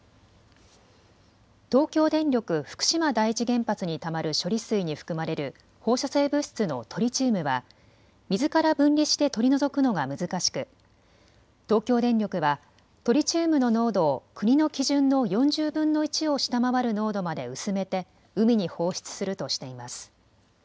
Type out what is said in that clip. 東京電力福島第一原発にたまる処理水に含まれる放射性物質のトリチウムは水から分離して取り除くのが難しく東京電力はトリチウムの濃度を国の基準の４０分の１を下回る濃度まで薄めて海に放出するとしています。